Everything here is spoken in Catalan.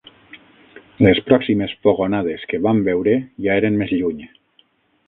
Les pròximes fogonades que vam veure ja eren més lluny